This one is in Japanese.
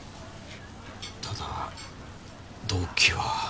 ただ動機は。